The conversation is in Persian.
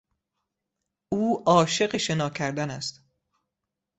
او عاشق شنا کردن است.